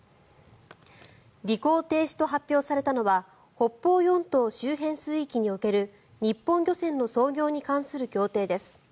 履行停止と発表されたのは北方四島周辺水域における日本漁船の操業に関する協定です。